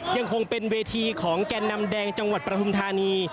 ยังคงเป็นเวทีของแก่นนำแดงจังหวัดประธุมธานี